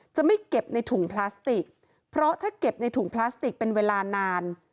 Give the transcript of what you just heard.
จะไม่เก็บในถุงพลาสติกเพราะถ้าเก็บในถุงพลาสติกเป็นเวลานาน